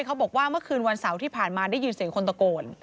บอกว่าเมื่อคืนวันเสาร์ที่ผ่านมาได้ยินเสียงคนตะโกน